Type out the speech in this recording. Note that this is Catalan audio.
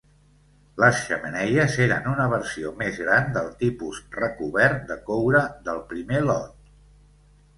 Les xemeneies eren una versió més gran del tipus recobert de coure del primer lot.